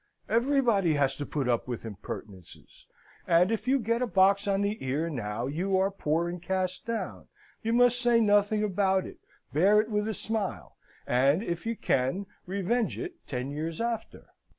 Everybody has to put up with impertinences: and if you get a box on the ear now you are poor and cast down, you must say nothing about it, bear it with a smile, and if you can, revenge it ten years after.